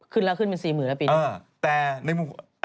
ขึ้นละขึ้นเป็น๔๐๐๐๐ละปีเนี่ยเออแต่ในมุมกลับกัน